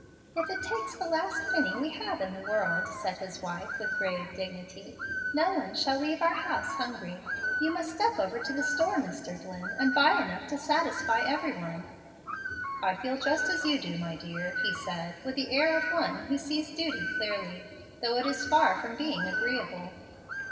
"If it takes the last penny we have in the world," said his wife, with grave dignity, "no one shall leave our house hungry. You must step over to the store, Mr. Dlimm, and buy enough to satisfy every one." "I feel just as you do, my dear," he said, with the air of one who sees duty clearly, though it is far from being agree able.